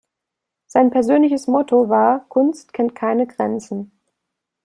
Sein persönliches Motto war „Kunst kennt keine Grenzen“.